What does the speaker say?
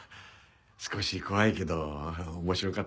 少し怖いけど面白かった。